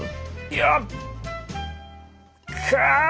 よっ！